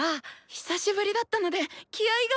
久しぶりだったので気合いが。